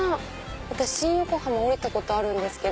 私新横浜降りたことあるんですけど。